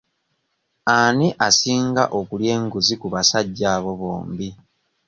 Ani asinga okulya enguzi ku basajja abo bombi?